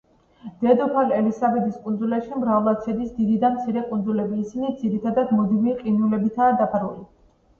დედოფალ ელისაბედის კუნძულებში მრავლად შედის დიდი და მცირე კუნძულები, ისინი ძირითადად მუდმივი ყინულებითაა დაფარული.